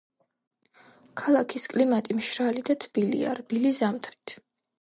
ქალაქის კლიმატი მშრალი და თბილია, რბილი ზამთრით.